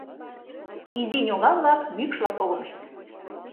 Изи ньога-влак мӱкшла погынышт.